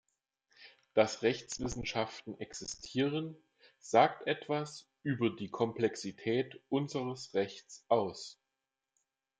Dass Rechtswissenschaften existieren, sagt etwas über die Komplexität unseres Rechts aus.